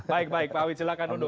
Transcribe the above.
baik baik pak awit silahkan duduk